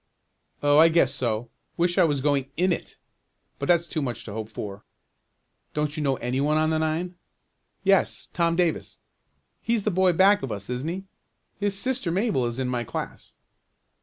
"Oh, I guess so. Wish I was going in it, but that's too much to hope for." "Don't you know any one on the nine?" "Yes, Tom Davis." "He's the boy back of us, isn't he? His sister Mabel is in my class."